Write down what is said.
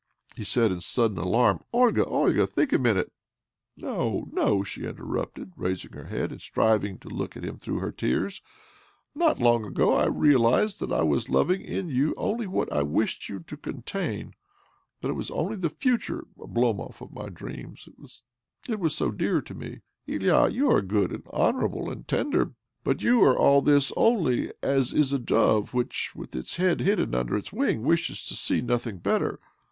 " he said in sudden alarm .' Olga, Olga ! Think a moment 1 "' No, no," she interrupted, raising her head, and strivings to look at him thro, ugh her tears .' Not long ago I realized that I was loving in you only what I wished you to contain — that it was only the future Oblomov of my dreams that was so dear to me. Ilya, you are good and honourable and tender ; but you are all this only as is a dove which, with its head hidden under its wing, wishes to see nothing, better.